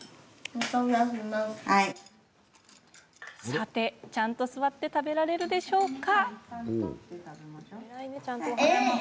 さて、ちゃんと座って食べられるでしょうか？